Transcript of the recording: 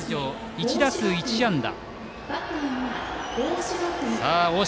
１打数１安打。